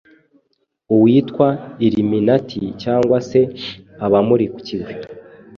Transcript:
awita Illuminati cyangwa se abamurikiwe